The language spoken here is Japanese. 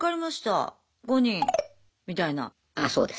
そうですか。